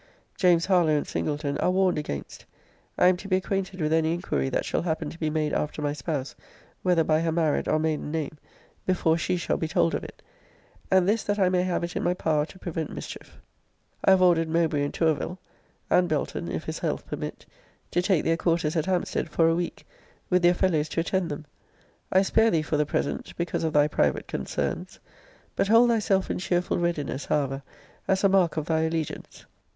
James Harlowe and Singleton are warned against. I am to be acquainted with any inquiry that shall happen to be made after my spouse, whether by her married or maiden name, before she shall be told of it and this that I may have it in my power to prevent mischief. I have ordered Mowbray and Tourville (and Belton, if his health permit) to take their quarters at Hampstead for a week, with their fellows to attend them. I spare thee for the present, because of thy private concerns. But hold thyself in cheerful readiness, however, as a mark of thy allegiance.